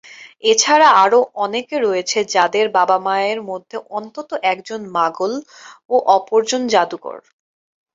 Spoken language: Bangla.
এছাড়া আরো অনেকে রয়েছে যাদের বাবা-মায়ের মধ্যে অন্তত একজন মাগল ও অপরজন জাদুকর।